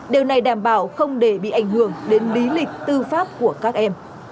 điều này đảm bảo không để bị ảnh hưởng đến lý lịch tư pháp của các em